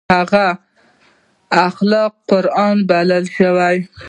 د هغه اخلاق قرآن وبلل شول.